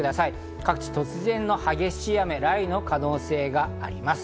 各地突然の激しい雨、雷雨の可能性があります。